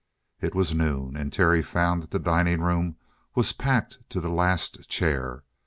It was noon, and Terry found that the dining room was packed to the last chair.